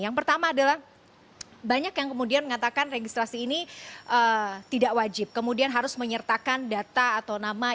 yang pertama adalah banyak yang kemudian mengatakan registrasi ini tidak wajib kemudian harus menyertakan data atau nama